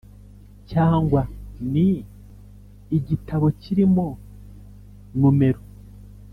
cyangwa ni igitabo kirimo numero